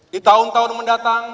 di tahun tahun mendatang